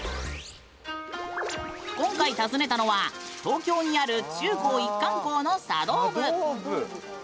今回、訪ねたのは東京にある中高一貫校の茶道部。